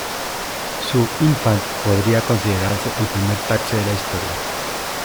Su "Infant" podría considerarse el primer taxi de la historia.